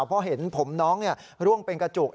เพราะเห็นผมน้องร่วงเป็นกระจุก